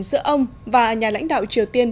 giữa ông và nhà lãnh đạo triều tiên